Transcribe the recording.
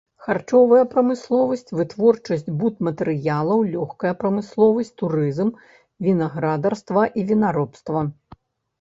Харчовая прамысловасць, вытворчасць будматэрыялаў, лёгкая прамысловасць, турызм, вінаградарства і вінаробства.